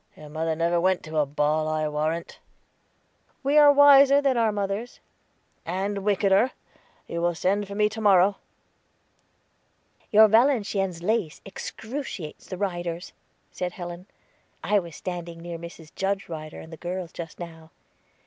Your mother never went to a ball, I'll warrant." "We are wiser than our mothers." "And wickeder; you will send for me to morrow." "Your Valenciennes lace excruciates the Ryders," said Helen. "I was standing near Mrs. Judge Ryder and the girls just now.